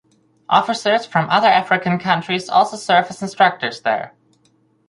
Officers from other African countries also serve as instructors there.